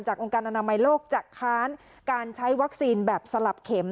องค์การอนามัยโลกจะค้านการใช้วัคซีนแบบสลับเข็ม